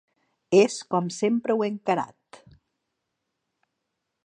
És com sempre ho he encarat.